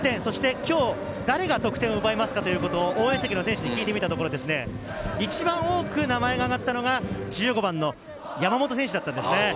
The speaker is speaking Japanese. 今日、誰が得点を奪いますかということを応援席の選手に聞いてみたところ、一番多く名前が挙がったのが１５番の山本選手だったんです。